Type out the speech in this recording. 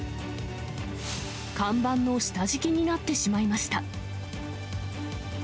看板の下敷きになってしまいました。